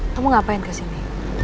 kamu ngapain ke sini